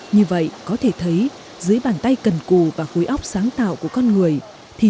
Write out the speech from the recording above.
như vậy có thể thấy dưới bàn tay cần cù và khối óc sáng tạo của con người thì